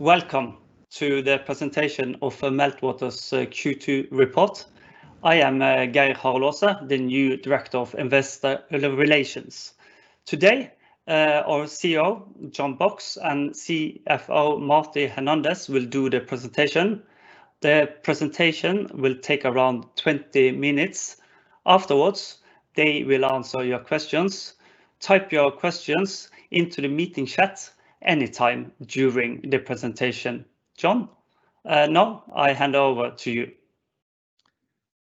Welcome to the presentation of Meltwater's Q2 report. I am Geir Harald Aase, the new Director of Investor Relations. Today, our CEO, John Box, and CFO, Martin Hernandez, will do the presentation. The presentation will take around 20 minutes. Afterwards, they will answer your questions. Type your questions into the meeting chat anytime during the presentation. John, now I hand over to you.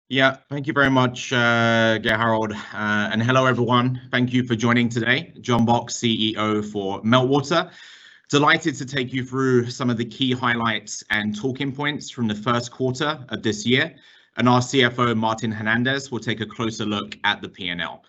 Yeah. Thank you very much, Geir Harald. Hello, everyone. Thank you for joining today. John Box, CEO for Meltwater. Delighted to take you through some of the key highlights and talking points from the first quarter of this year. Our CFO, Martin Hernandez, will take a closer look at the P&L.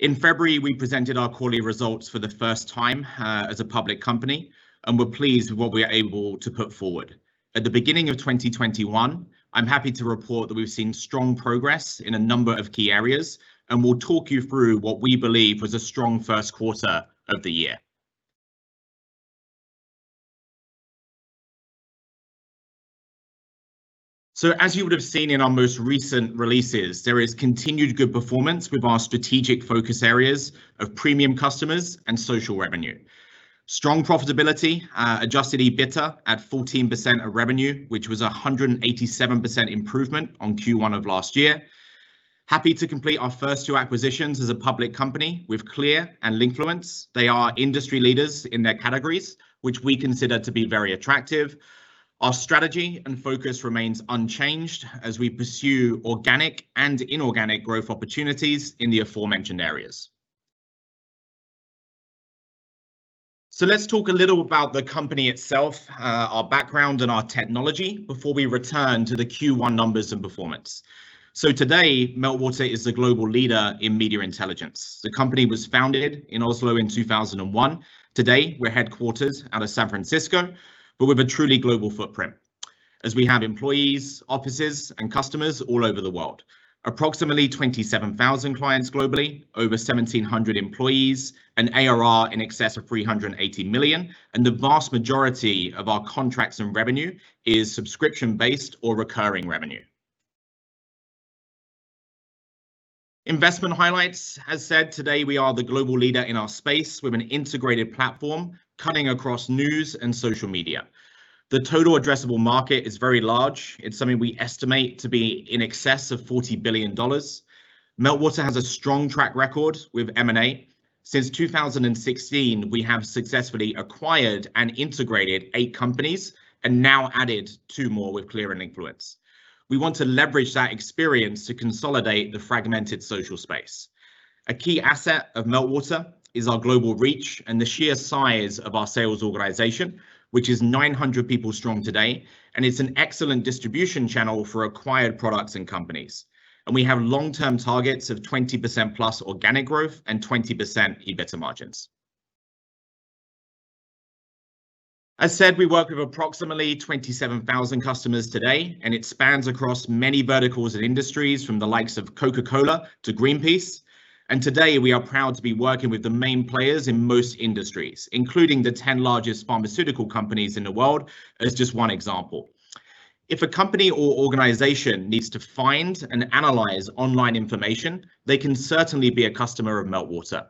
In February, we presented our quarterly results for the first time as a public company, and we're pleased with what we're able to put forward. At the beginning of 2021, I'm happy to report that we've seen strong progress in a number of key areas. We'll talk you through what we believe was a strong first quarter of the year. As you would've seen in our most recent releases, there is continued good performance with our strategic focus areas of premium customers and social revenue. Strong profitability, adjusted EBITDA at 14% of revenue, which was 187% improvement on Q1 of last year. Happy to complete our first two acquisitions as a public company with Klear and Linkfluence. They are industry leaders in their categories, which we consider to be very attractive. Our strategy and focus remains unchanged as we pursue organic and inorganic growth opportunities in the aforementioned areas. Let's talk a little about the company itself, our background, and our technology before we return to the Q1 numbers and performance. Today, Meltwater is the global leader in media intelligence. The company was founded in Oslo in 2001. Today, we're headquartered out of San Francisco, but with a truly global footprint. As we have employees, offices, and customers all over the world. Approximately 27,000 clients globally, over 1,700 employees, an ARR in excess of 380 million, and the vast majority of our contracts and revenue is subscription-based or recurring revenue. Investment highlights. As said, today we are the global leader in our space with an integrated platform cutting across news and social media. The total addressable market is very large. It's something we estimate to be in excess of $40 billion. Meltwater has a strong track record with M&A. Since 2016, we have successfully acquired and integrated eight companies and now added two more with Klear and Linkfluence. We want to leverage that experience to consolidate the fragmented social space. A key asset of Meltwater is our global reach and the sheer size of our sales organization, which is 900 people strong today, and it's an excellent distribution channel for acquired products and companies. We have long-term targets of 20%+ organic growth and 20% EBITDA margins. As said, we work with approximately 27,000 customers today. It spans across many verticals and industries, from the likes of Coca-Cola to Greenpeace. Today, we are proud to be working with the 10 main players in most industries, including the 10 largest pharmaceutical companies in the world, as just one example. If a company or organization needs to find and analyze online information, they can certainly be a customer of Meltwater.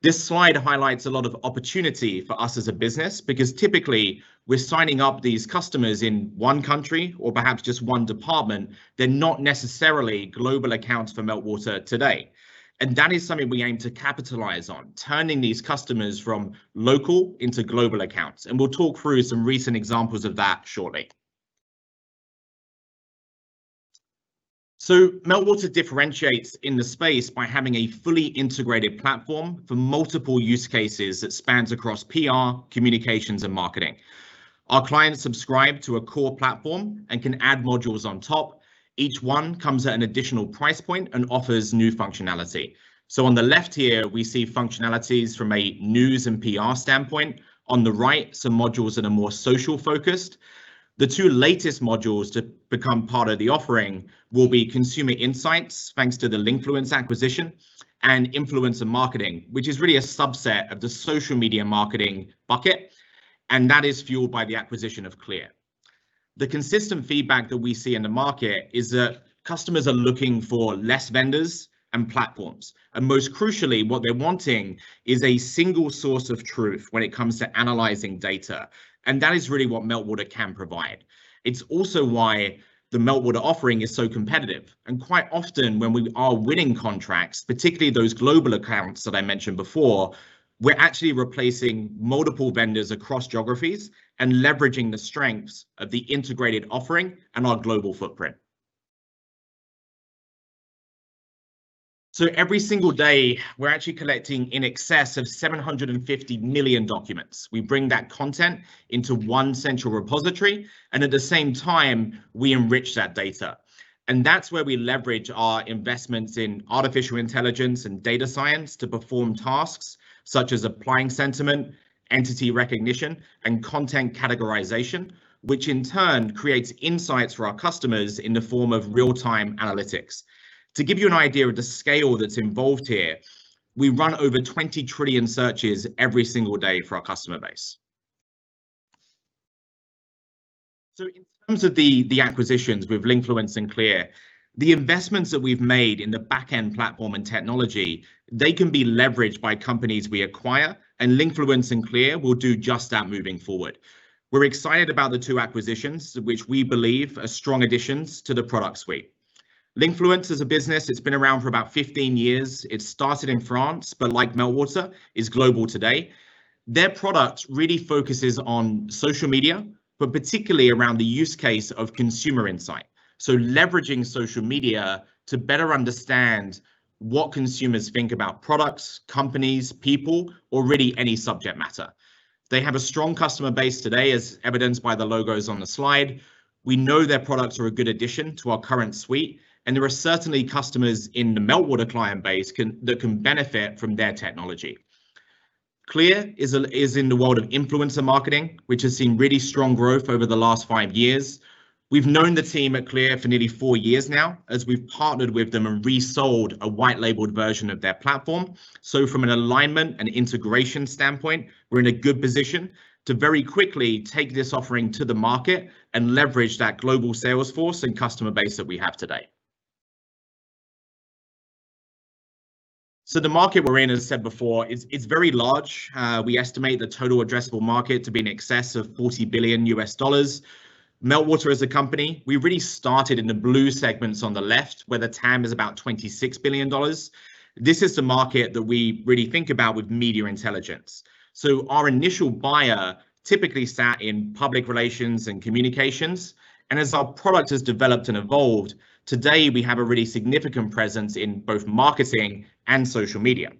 This slide highlights a lot of opportunity for us as a business because typically, we're signing up these customers in one country or perhaps just one department. They're not necessarily global accounts for Meltwater today. That is something we aim to capitalize on, turning these customers from local into global accounts. We'll talk through some recent examples of that shortly. Meltwater differentiates in the space by having a fully integrated platform for multiple use cases that spans across PR, communications, and marketing. Our clients subscribe to a core platform and can add modules on top. Each one comes at an additional price point and offers new functionality. On the left here, we see functionalities from a news and PR standpoint. On the right, some modules that are more social-focused. The two latest modules to become part of the offering will be consumer insights, thanks to the Linkfluence acquisition, and influencer marketing, which is really a subset of the social media marketing bucket, and that is fueled by the acquisition of Klear. The consistent feedback that we see in the market is that customers are looking for less vendors and platforms. Most crucially, what they're wanting is a single source of truth when it comes to analyzing data, and that is really what Meltwater can provide. It's also why the Meltwater offering is so competitive. Quite often, when we are winning contracts, particularly those global accounts that I mentioned before, we're actually replacing multiple vendors across geographies and leveraging the strengths of the integrated offering and our global footprint. Every single day, we're actually collecting in excess of 750 million documents. We bring that content into one central repository, and at the same time, we enrich that data. That's where we leverage our investments in artificial intelligence and data science to perform tasks such as applying sentiment, entity recognition, and content categorization, which in turn creates insights for our customers in the form of real-time analytics. To give you an idea of the scale that's involved here, we run over 20 trillion searches every single day for our customer base. In terms of the acquisitions with Linkfluence and Klear, the investments that we've made in the backend platform and technology, they can be leveraged by companies we acquire, and Linkfluence and Klear will do just that moving forward. We're excited about the two acquisitions, which we believe are strong additions to the product suite. Linkfluence is a business that's been around for about 15 years. It started in France, but like Meltwater, is global today. Their product really focuses on social media, but particularly around the use case of consumer insights. Leveraging social media to better understand what consumers think about products, companies, people, or really any subject matter. They have a strong customer base today, as evidenced by the logos on the slide. We know their products are a good addition to our current suite, and there are certainly customers in the Meltwater client base that can benefit from their technology. Klear is in the world of influencer marketing, which has seen really strong growth over the last five years. We've known the team at Klear for nearly four years now, as we've partnered with them and resold a white-labeled version of their platform. From an alignment and integration standpoint, we're in a good position to very quickly take this offering to the market and leverage that global sales force and customer base that we have today. The market we're in, as I said before, is very large. We estimate the total addressable market to be in excess of $40 billion. Meltwater, as a company, we really started in the blue segments on the left, where the TAM is about $26 billion. This is the market that we really think about with media intelligence. Our initial buyer typically sat in public relations and communications, and as our product has developed and evolved, today, we have a really significant presence in both marketing and social media.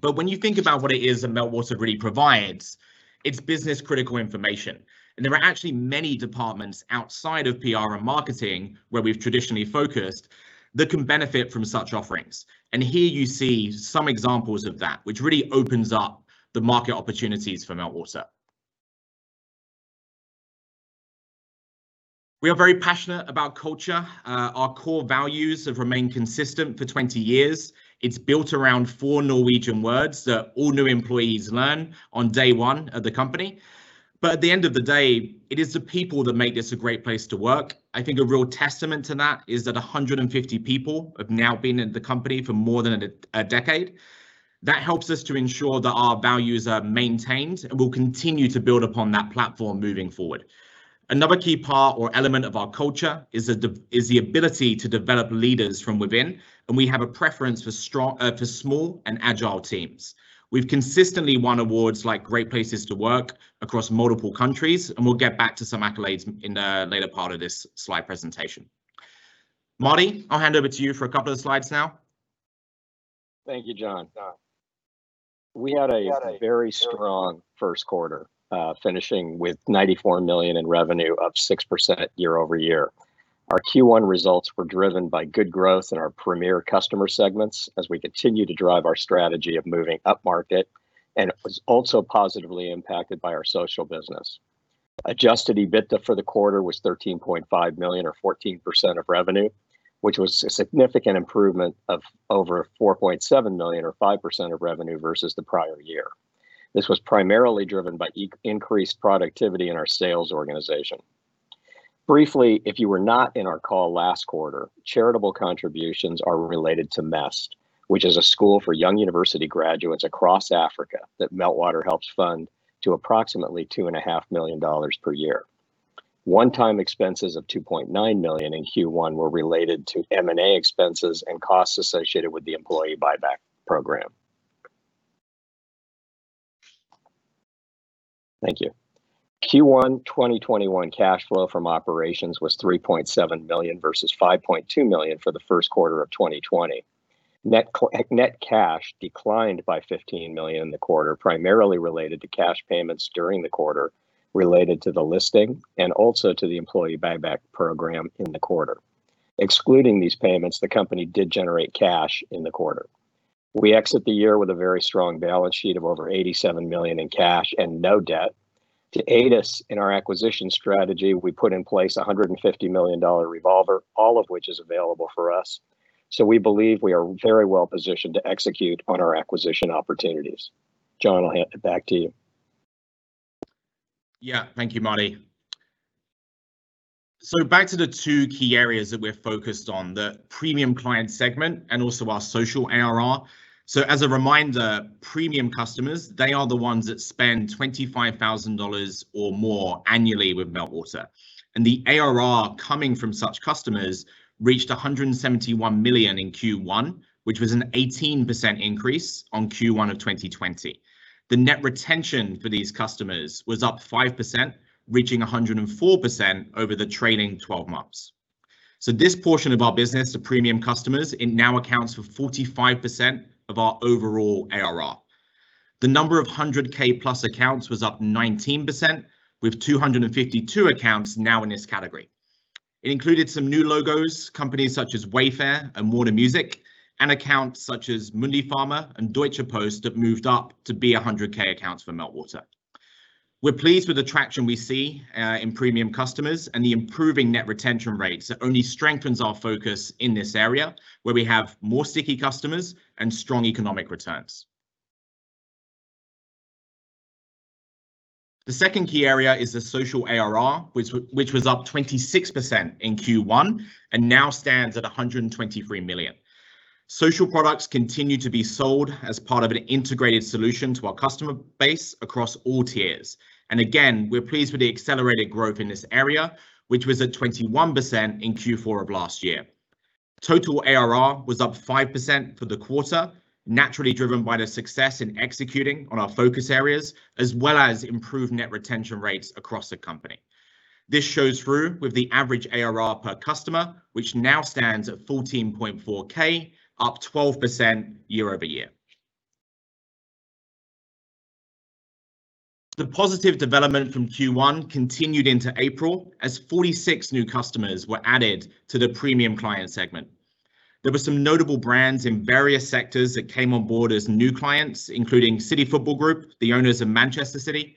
When you think about what it is that Meltwater really provides, it's business-critical information, and there are actually many departments outside of PR and marketing where we've traditionally focused that can benefit from such offerings. Here you see some examples of that, which really opens up the market opportunities for Meltwater. We are very passionate about culture. Our core values have remained consistent for 20 years. It's built around four Norwegian words that all new employees learn on day one at the company. At the end of the day, it is the people that make this a Great Place to Work. I think a real testament to that is that 150 people have now been at the company for more than a decade. That helps us to ensure that our values are maintained, and we'll continue to build upon that platform moving forward. Another key part or element of our culture is the ability to develop leaders from within, and we have a preference for small and agile teams. We've consistently won awards like Great Place to Work across multiple countries, and we'll get back to some accolades in the later part of this slide presentation. Marty, I'll hand over to you for a couple of slides now. Thank you, John. We had a very strong first quarter, finishing with $94 million in revenue, up 6% year-over-year. Our Q1 results were driven by good growth in our premier customer segments as we continue to drive our strategy of moving upmarket, and it was also positively impacted by our social business. Adjusted EBITDA for the quarter was $13.5 million or 14% of revenue, which was a significant improvement of over $4.7 million or 5% of revenue versus the prior year. This was primarily driven by increased productivity in our sales organization. Briefly, if you were not in our call last quarter, charitable contributions are related to MEST, which is a school for young university graduates across Africa that Meltwater helps fund to approximately $2.5 million per year. One-time expenses of $2.9 million in Q1 were related to M&A expenses and costs associated with the employee buyback program. Thank you. Q1 2021 cash flow from operations was $3.7 million versus $5.2 million for the first quarter of 2020. Net cash declined by $15 million in the quarter, primarily related to cash payments during the quarter related to the listing and also to the employee buyback program in the quarter. Excluding these payments, the company did generate cash in the quarter. We exit the year with a very strong balance sheet of over $87 million in cash and no debt. To aid us in our acquisition strategy, we put in place a $150 million revolver, all of which is available for us. We believe we are very well-positioned to execute on our acquisition opportunities. John, I'll hand it back to you. Yeah. Thank you, Marty. Back to the two key areas that we're focused on, the premium client segment and also our social ARR. As a reminder, premium customers, they are the ones that spend $25,000 or more annually with Meltwater. The ARR coming from such customers reached $171 million in Q1, which was an 18% increase on Q1 of 2020. The net retention for these customers was up 5%, reaching 104% over the trailing 12 months. This portion of our business, the premium customers, it now accounts for 45% of our overall ARR. The number of 100K+ accounts was up 19%, with 252 accounts now in this category. It included some new logos, companies such as Wayfair and Warner Music, and accounts such as Mundipharma and Deutsche Post that moved up to be 100K accounts for Meltwater. We're pleased with the traction we see in premium customers and the improving net retention rates that only strengthens our focus in this area, where we have more sticky customers and strong economic returns. The second key area is the social ARR, which was up 26% in Q1 and now stands at 123 million. Social products continue to be sold as part of an integrated solution to our customer base across all tiers. Again, we're pleased with the accelerated growth in this area, which was at 21% in Q4 of last year. Total ARR was up 5% for the quarter, naturally driven by the success in executing on our focus areas, as well as improved net retention rates across the company. This shows through with the average ARR per customer, which now stands at 14.4K, up 12% year-over-year. The positive development from Q1 continued into April as 46 new customers were added to the premium client segment. There were some notable brands in various sectors that came on board as new clients, including City Football Group, the owners of Manchester City,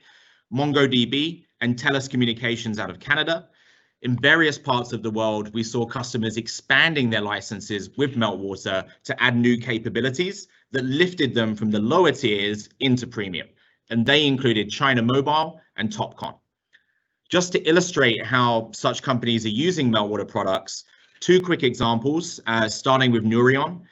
MongoDB, and Telus Communications out of Canada. In various parts of the world, we saw customers expanding their licenses with Meltwater to add new capabilities that lifted them from the lower tiers into premium. They included China Mobile and Topcon. Just to illustrate how such companies are using Meltwater products, two quick examples, starting with Neuro.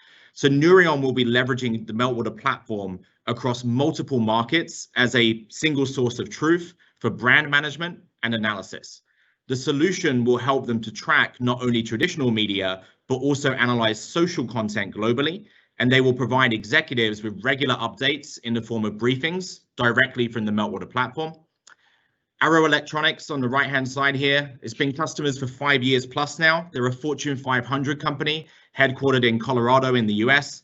Neuro will be leveraging the Meltwater platform across multiple markets as a single source of truth for brand management and analysis. The solution will help them to track not only traditional media, but also analyze social content globally. They will provide executives with regular updates in the form of briefings directly from the Meltwater platform. Arrow Electronics, on the right-hand side here, has been customers for five years plus now. They are a Fortune 500 company headquartered in Colorado in the U.S.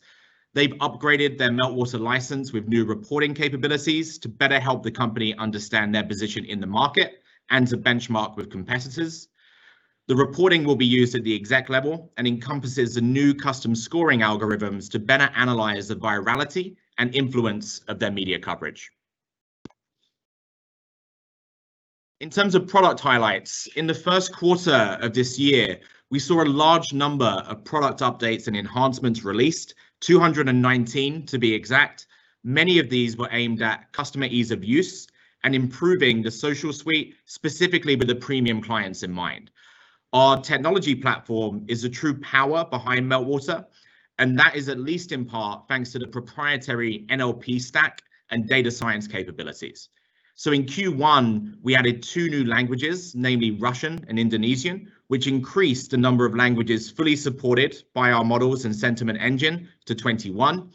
They have upgraded their Meltwater license with new reporting capabilities to better help the company understand their position in the market and to benchmark with competitors. The reporting will be used at the exec level and encompasses the new custom scoring algorithms to better analyze the virality and influence of their media coverage. In terms of product highlights, in the first quarter of this year, we saw a large number of product updates and enhancements released, 219 to be exact. Many of these were aimed at customer ease of use and improving the Social Suite, specifically with the premium clients in mind. Our technology platform is the true power behind Meltwater, and that is at least in part thanks to the proprietary NLP stack and data science capabilities. In Q1, we added two new languages, namely Russian and Indonesian, which increased the number of languages fully supported by our models and sentiment engine to 21.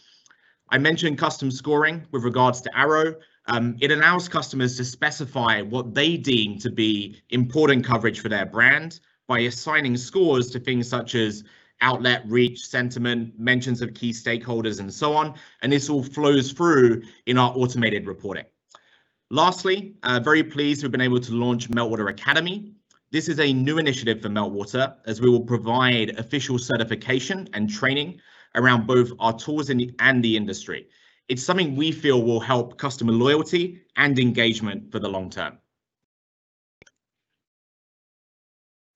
I mentioned custom scoring with regards to Arrow. It allows customers to specify what they deem to be important coverage for their brand by assigning scores to things such as outlet reach, sentiment, mentions of key stakeholders, and so on, and this all flows through in our automated reporting. Lastly, very pleased we've been able to launch Meltwater Academy. This is a new initiative for Meltwater, as we will provide official certification and training around both our tools and the industry. It is something we feel will help customer loyalty and engagement for the long term.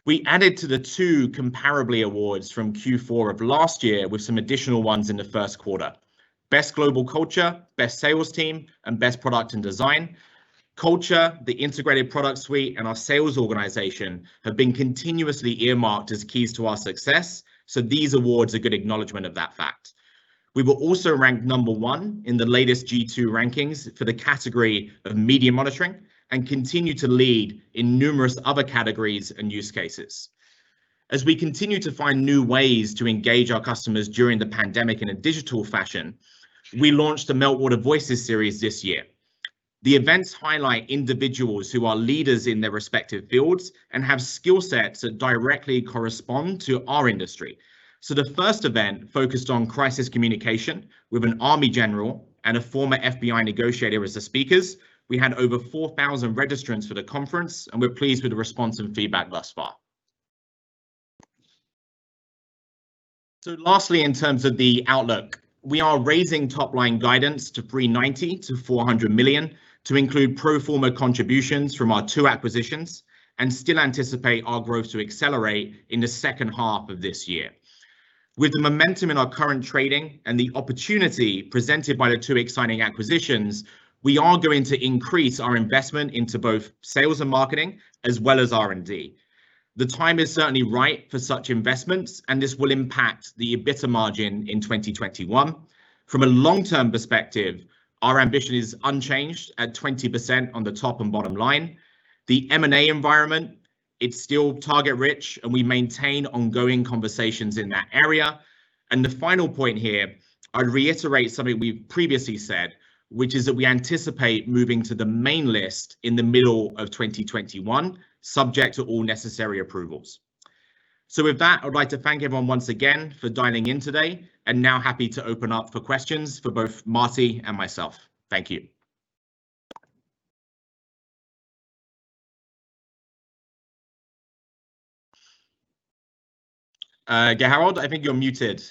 We added to the two Comparably awards from Q4 of last year, with some additional ones in the first quarter. Best Global Culture, Best Sales Team, and Best Product and Design. Culture, the integrated product suite, and our sales organization have been continuously earmarked as keys to our success, so these awards are good acknowledgment of that fact. We were also ranked number one in the latest G2 rankings for the category of media monitoring and continue to lead in numerous other categories and use cases. As we continue to find new ways to engage our customers during the pandemic in a digital fashion, we launched the Meltwater Voices series this year. The events highlight individuals who are leaders in their respective fields and have skill sets that directly correspond to our industry. The first event focused on crisis communication with an Army general and a former FBI negotiator as the speakers. We had over 4,000 registrants for the conference, and we're pleased with the response and feedback thus far. Lastly, in terms of the outlook, we are raising top-line guidance to 390 million-400 million to include pro forma contributions from our two acquisitions and still anticipate our growth to accelerate in the second half of this year. With the momentum in our current trading and the opportunity presented by the two exciting acquisitions, we are going to increase our investment into both sales and marketing, as well as R&D. The time is certainly right for such investments, and this will impact the EBITDA margin in 2021. From a long-term perspective, our ambition is unchanged at 20% on the top and bottom line. The M&A environment, it's still target-rich, and we maintain ongoing conversations in that area. The final point here, I reiterate something we've previously said, which is that we anticipate moving to the main list in the middle of 2021, subject to all necessary approvals. With that, I'd like to thank everyone once again for dialing in today, and now happy to open up for questions for both Marty and myself. Thank you. Geir Harald, I think you're muted.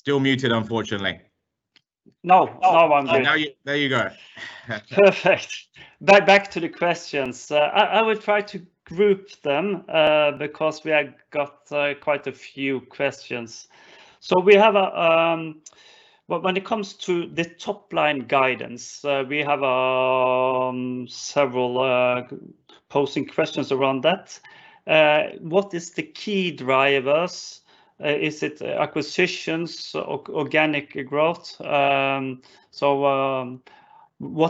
Still muted, unfortunately. No, now I'm good. There you go. Perfect. Back to the questions. I will try to group them, because we have got quite a few questions. When it comes to the top-line guidance, we have several posing questions around that. What is the key drivers? Is it acquisitions, organic growth? What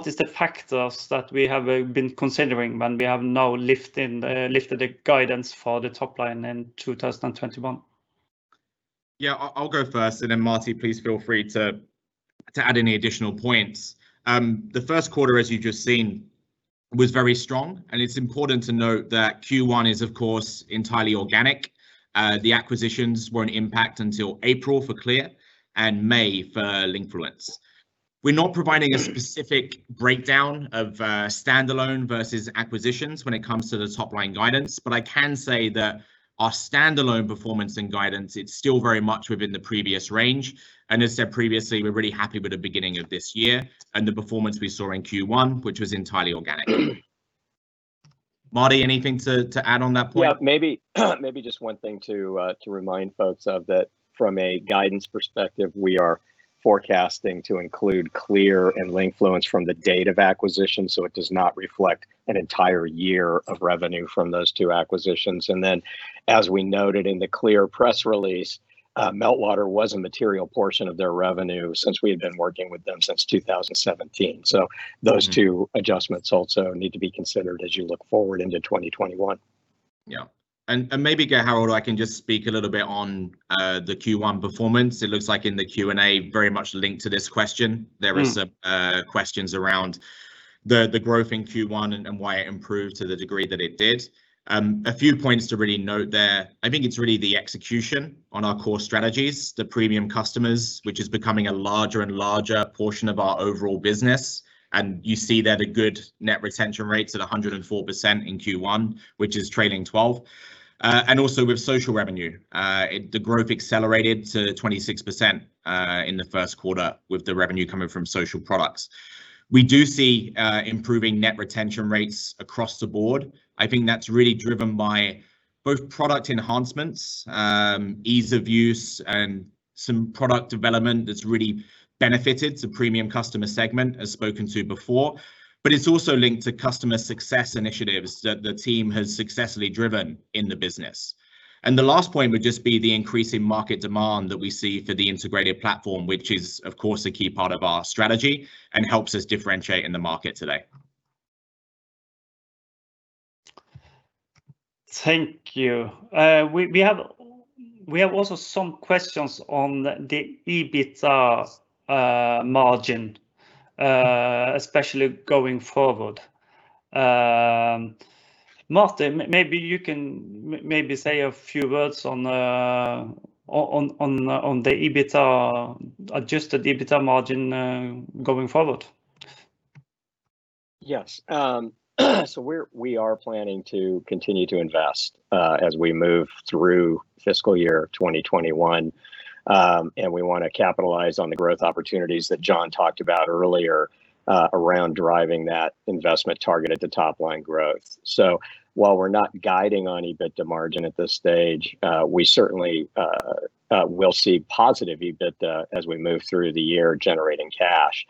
is the factors that we have been considering when we have now lifted the guidance for the top line in 2021? Yeah. I'll go first, and then Marty. Please feel free to add any additional points. The first quarter, as you've just seen, was very strong, and it's important to note that Q1 is, of course, entirely organic. The acquisitions won't impact until April for Klear and May for Linkfluence. We're not providing a specific breakdown of standalone versus acquisitions when it comes to the top-line guidance. I can say that our standalone performance and guidance, it's still very much within the previous range. As said previously, we're really happy with the beginning of this year and the performance we saw in Q1, which was entirely organic. Marty, anything to add on that point? Yeah, maybe just one thing to remind folks of that, from a guidance perspective, we are forecasting to include Klear and Linkfluence from the date of acquisition. It does not reflect an entire year of revenue from those two acquisitions. As we noted in the Klear press release, Meltwater was a material portion of their revenue since we've been working with them since 2017. Those two adjustments also need to be considered as you look forward into 2021. Harald, I can just speak a little bit on the Q1 performance. It looks like in the Q&A, very much linked to this question, there is questions around the growth in Q1 and why it improved to the degree that it did. A few points to really note there. I think it's really the execution on our core strategies, the premium customers, which is becoming a larger and larger portion of our overall business. You see there the good net retention rates at 104% in Q1, which is trailing 12. Also, with social revenue, the growth accelerated to 26% in the first quarter, with the revenue coming from social products. We do see improving net retention rates across the board. I think that's really driven by both product enhancements, ease of use, and some product development that's really benefited the premium customer segment, as spoken to before. It's also linked to customer success initiatives that the team has successfully driven in the business. The last point would just be the increase in market demand that we see for the integrated platform, which is, of course, a key part of our strategy and helps us differentiate in the market today. Thank you. We have also some questions on the EBITDA margin, especially going forward. Marty, maybe you can maybe say a few words on the adjusted EBITDA margin going forward. Yes. We are planning to continue to invest as we move through fiscal year 2021. We want to capitalize on the growth opportunities that John talked about earlier, around driving that investment target at the top-line growth. While we're not guiding on EBITDA margin at this stage, we certainly will see positive EBITDA as we move through the year, generating cash.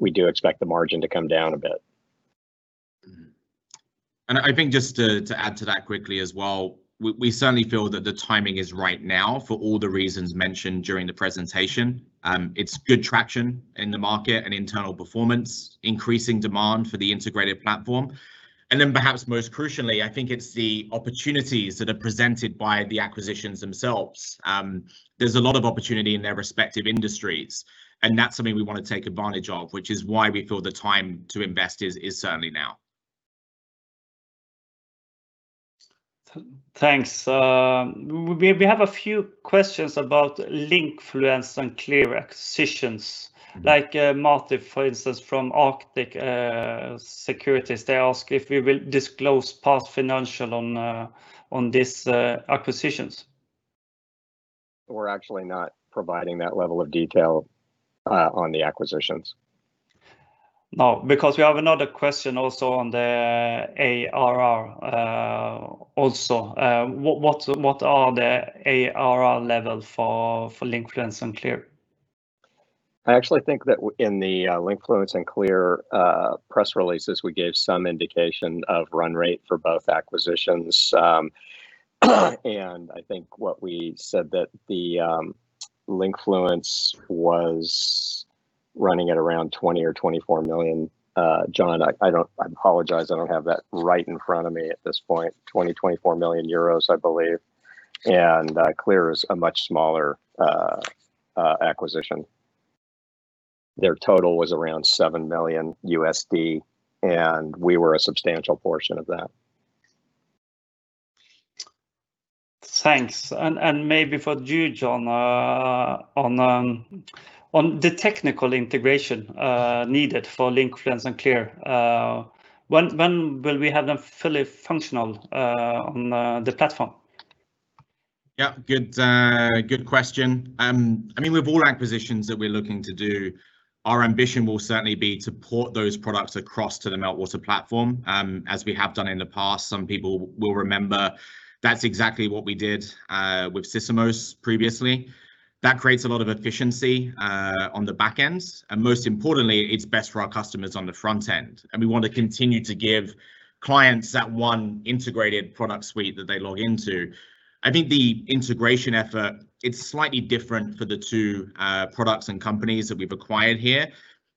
We do expect the margin to come down a bit. I think just to add to that quickly as well, we certainly feel that the timing is right now for all the reasons mentioned during the presentation. It's good traction in the market and internal performance, increasing demand for the integrated platform, and then perhaps most crucially, I think it's the opportunities that are presented by the acquisitions themselves. There's a lot of opportunity in their respective industries, and that's something we want to take advantage of, which is why we feel the time to invest is certainly now. Thanks. We have a few questions about Linkfluence and Klear acquisitions. Like Marty, for instance, from Arctic Securities, they ask if you will disclose past financial on these acquisitions. We're actually not providing that level of detail on the acquisitions. No, because we have another question also on the ARR also. What are the ARR level for Linkfluence and Klear? I actually think that in the Linkfluence and Klear press releases, we gave some indication of run rate for both acquisitions. I think what we said that the Linkfluence was running at around 20 million or 24 million. John, I apologize I don't have that right in front of me at this point. 20 million euros, 24 million euros, I believe. Klear is a much smaller acquisition. Their total was around $7 million, and we were a substantial portion of that. Thanks. Maybe for you, John, on the technical integration needed for Linkfluence and Klear, when will we have them fully functional on the platform? Yeah. Good question. With all our acquisitions that we're looking to do, our ambition will certainly be to port those products across to the Meltwater platform as we have done in the past. Some people will remember that's exactly what we did with Sysomos previously. That creates a lot of efficiency on the back end, and most importantly, it's best for our customers on the front end. We want to continue to give clients that one integrated product suite that they log into. I think the integration effort; it's slightly different for the two products and companies that we've acquired here.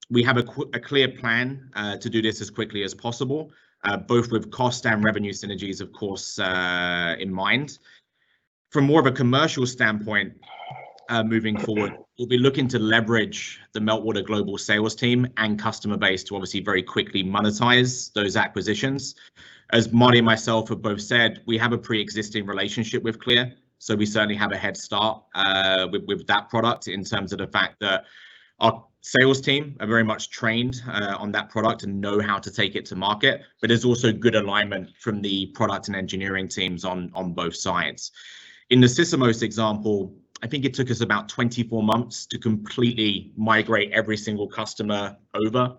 We have a clear plan to do this as quickly as possible, both with cost and revenue synergies, of course, in mind. From more of a commercial standpoint moving forward, we'll be looking to leverage the Meltwater global sales team and customer base to obviously very quickly monetize those acquisitions. As Marty and myself have both said, we have a preexisting relationship with Klear, so we certainly have a head start with that product in terms of the fact that our sales team are very much trained on that product and know how to take it to market. There's also good alignment from the product and engineering teams on both sides. In the Sysomos example, I think it took us about 24 months to completely migrate every single customer over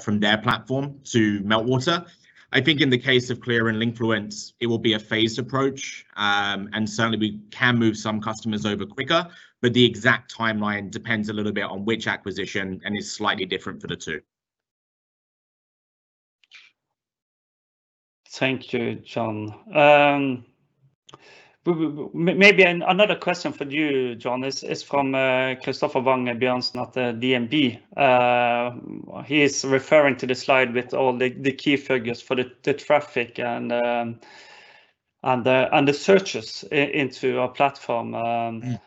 from their platform to Meltwater. I think in the case of Klear and Linkfluence, it will be a phased approach, and certainly we can move some customers over quicker, but the exact timeline depends a little bit on which acquisition, and it's slightly different for the two. Thank you, John. Maybe another question for you, John, is from Christoffer Wang Bjørnsen at the DNB. He is referring to the slide with all the key figures for the traffic and the searches into our platform.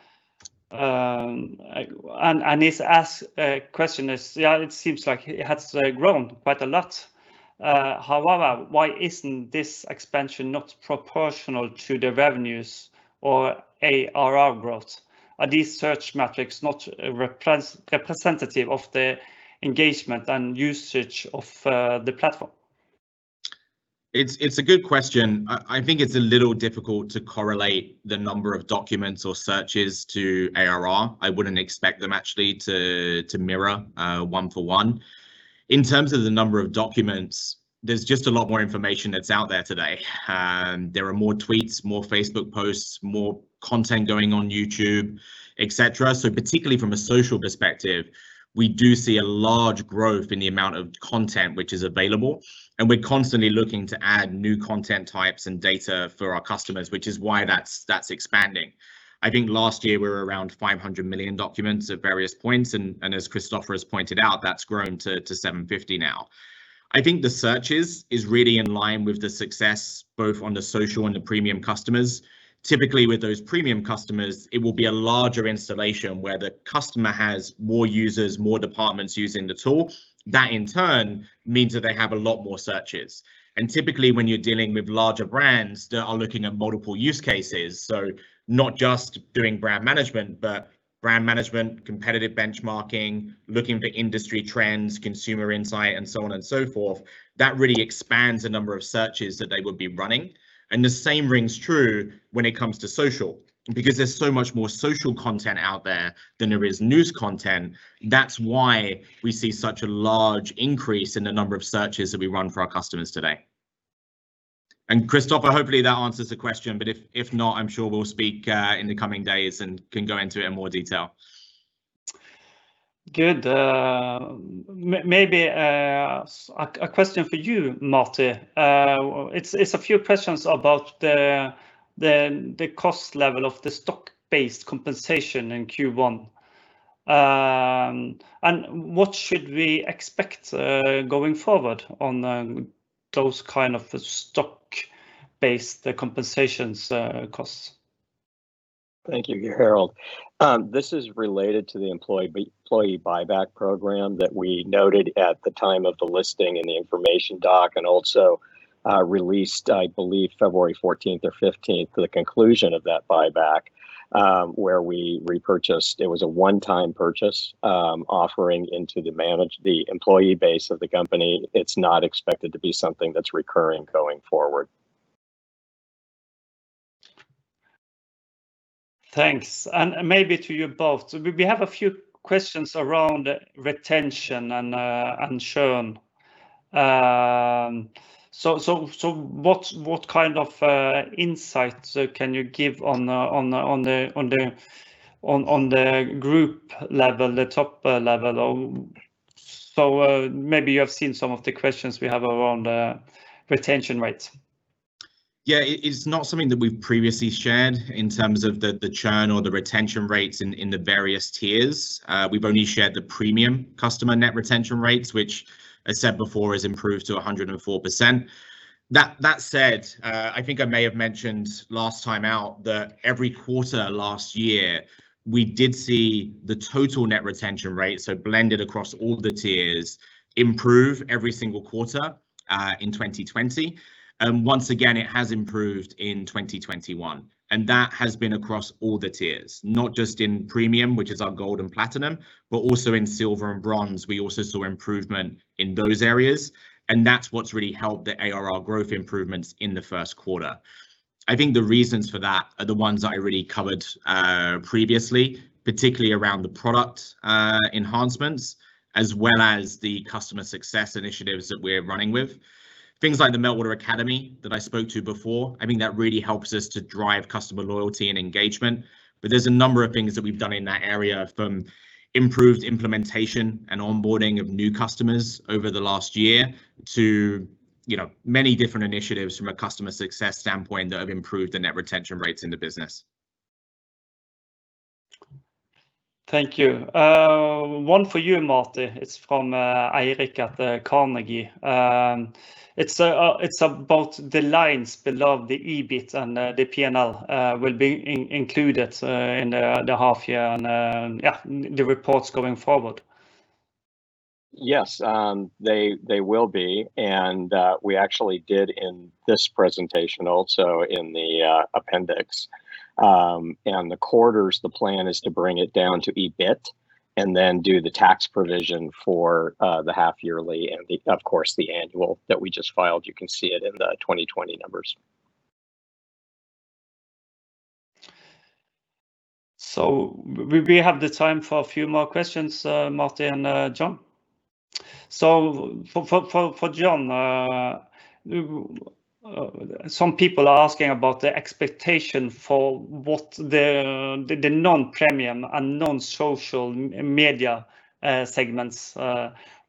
His question is, it seems like it has grown quite a lot. However, why isn't this expansion not proportional to the revenues or ARR growth? Are these search metrics not representative of the engagement and usage of the platform? It's a good question. I think it's a little difficult to correlate the number of documents or searches to ARR. I wouldn't expect them actually to mirror one-for-one. In terms of the number of documents, there's just a lot more information that's out there today. There are more tweets, more Facebook posts, more content going on YouTube, et cetera. Particularly from a social perspective, we do see a large growth in the amount of content which is available, and we're constantly looking to add new content types and data for our customers, which is why that's expanding. I think last year we were around 500 million documents at various points, and as Christoffer has pointed out, that's grown to 750 now. I think the searches is really in line with the success both on the social and the premium customers. Typically, with those premium customers, it will be a larger installation where the customer has more users, more departments using the tool. That in turn means that they have a lot more searches. Typically, when you're dealing with larger brands that are looking at multiple use cases, so not just doing brand management, but brand management, competitive benchmarking, looking for industry trends, consumer insights, and so on and so forth, that really expands the number of searches that they would be running. The same rings true when it comes to social, because there's so much more social content out there than there is news content. That's why we see such a large increase in the number of searches that we run for our customers today. Christoffer, hopefully that answers the question, but if not, I'm sure we'll speak in the coming days and can go into it in more detail. Good. Maybe a question for you, Marty. It's a few questions about the cost level of the stock-based compensation in Q1. What should we expect going forward on those kind of the stock-based, the compensations costs? Thank you, Harald. This is related to the employee buyback program that we noted at the time of the listing in the information doc and also released, I believe February 14th or 15th, the conclusion of that buyback, where we repurchased, it was a one-time purchase offering into the employee base of the company. It's not expected to be something that's recurring going forward. Thanks. Maybe to you both. We have a few questions around retention and churn. What kind of insights can you give on the group level, the top level? Maybe you have seen some of the questions we have around retention rates. It's not something that we've previously shared in terms of the churn or the retention rates in the various tiers. We've only shared the premium customer net retention rates, which, as said before has improved to 104%. That said, I think I may have mentioned last time out that every quarter last year, we did see the total net retention rate, so blended across all the tiers, improve every single quarter in 2020. Once again, it has improved in 2021. That has been across all the tiers, not just in premium, which is our gold and platinum, but also in silver and bronze. We also saw improvement in those areas, and that's what's really helped the ARR growth improvements in the first quarter. I think the reasons for that are the ones I already covered previously, particularly around the product enhancements, as well as the customer success initiatives that we are running with. Things like the Meltwater Academy that I spoke to before, I think, that really helps us to drive customer loyalty and engagement. There's a number of things that we've done in that area, from improved implementation and onboarding of new customers over the last year to many different initiatives from a customer success standpoint that have improved the net retention rates in the business. Thank you. One for you, Marty. It is from Eirik at Carnegie. It is about the lines below the EBIT, and the P&L will be included in the half-year and the reports going forward. Yes. They will be. We actually did in this presentation, also in the appendix. The quarters, the plan is to bring it down to EBIT and then do the tax provision for the half-yearly and, of course, the annual that we just filed. You can see it in the 2020 numbers. We have the time for a few more questions, Marty and John. For John, some people are asking about the expectation for what the non-premium and non-social media segments.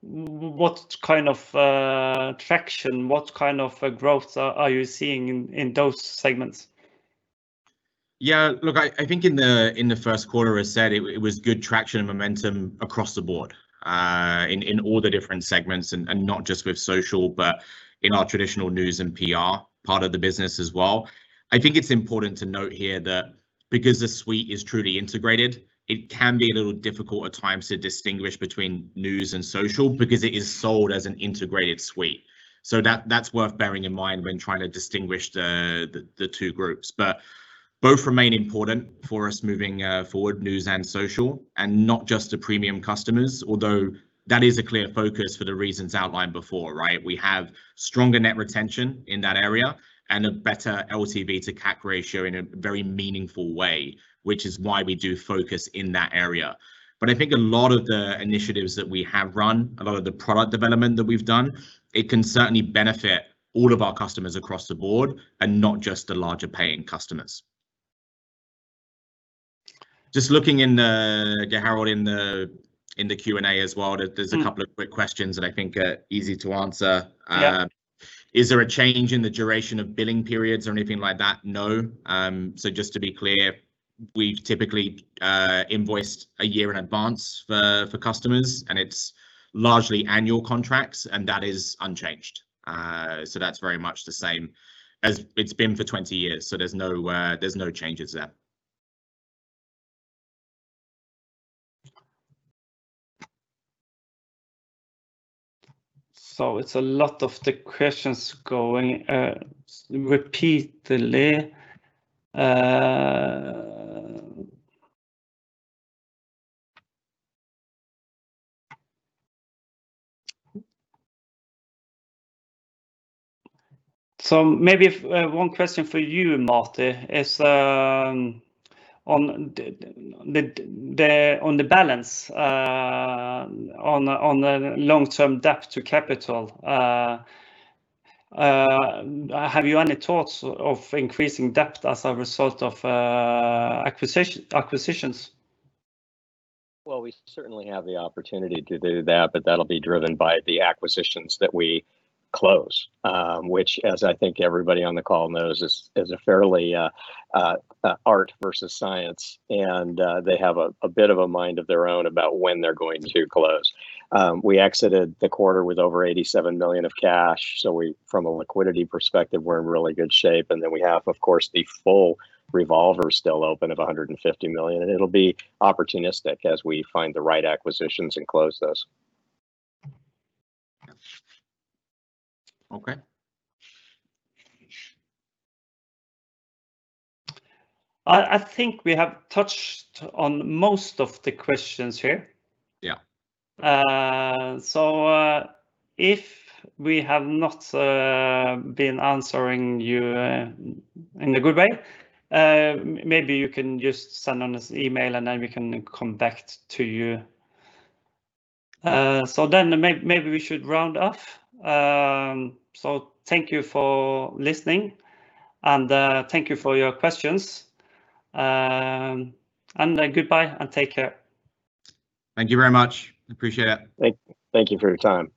What kind of traction, what kind of growth are you seeing in those segments? Yeah, look, I think in the first quarter, as I said, it was good traction and momentum across the board, in all the different segments, and not just with social, but in our traditional news and PR part of the business as well. I think it's important to note here that because the suite is truly integrated, it can be a little difficult at times to distinguish between news and social, because it is sold as an integrated suite. That's worth bearing in mind when trying to distinguish the two groups. Both remain important for us moving forward, news and social, and not just the premium customers. Although that is a clear focus for the reasons outlined before, right? We have stronger net retention in that area and a better LTV to CAC ratio in a very meaningful way, which is why we do focus in that area. I think a lot of the initiatives that we have run, a lot of the product development that we've done, it can certainly benefit all of our customers across the board and not just the larger paying customers. Just looking in the Harald in the Q&A as well, there's a couple of quick questions that I think are easy to answer. Yeah. Is there a change in the duration of billing periods or anything like that? No. Just to be clear, we've typically invoiced a year in advance for customers, and it's largely annual contracts, and that is unchanged. That's very much the same as it's been for 20 years. There's no changes there. It's a lot of the questions going repeatedly. Maybe one question for you, Marty, is on the balance on the long-term debt to capital. Have you any thoughts of increasing debt as a result of acquisitions? Well, we certainly have the opportunity to do that, but that'll be driven by the acquisitions that we close, which, as I think everybody on the call knows, is a fairly art versus science, and they have a bit of a mind of their own about when they're going to close. We exited the quarter with over 87 million of cash. From a liquidity perspective, we're in really good shape. We have, of course, the full revolver still open of 150 million. It'll be opportunistic as we find the right acquisitions and close those. Okay. I think we have touched on most of the questions here. Yeah. If we have not been answering you in a good way, maybe you can just send us an email, and then we can come back to you. Maybe we should round off. Thank you for listening, and thank you for your questions, and goodbye and take care. Thank you very much. Appreciate it. Thank you for your time.